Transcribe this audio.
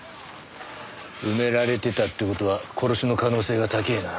埋められてたって事は殺しの可能性が高ぇな。